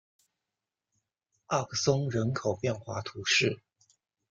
奥克松人口变化图示